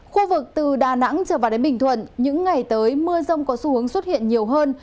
khu vực từ đà nẵng trở vào đến bình thuận những ngày tới mưa rông có xu hướng xuất hiện nhiều hơn